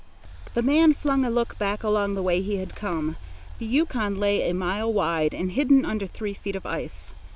The man flung a look back along the way he had come. The Yukon lay a mile wide and hidden under three feet of ice.